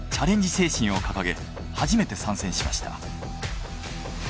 精神を掲げ初めて参戦しました。